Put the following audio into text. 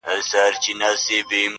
په دریاب کي پاڅېدل د اوبو غرونه.!